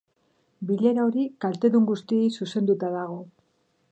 Bilera hori kaltedun guztiei zuzendua dago.